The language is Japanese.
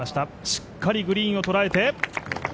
しっかりグリーンを捉えて。